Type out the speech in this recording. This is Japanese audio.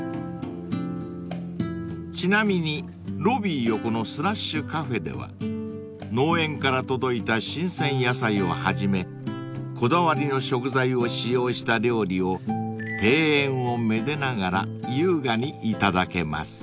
［ちなみにロビー横のＴｈｒｕｓｈｃａｆｅでは農園から届いた新鮮野菜をはじめこだわりの食材を使用した料理を庭園をめでながら優雅に頂けます］